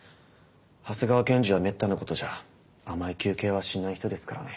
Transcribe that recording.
長谷川検事はめったなことじゃ甘い求刑はしない人ですからね。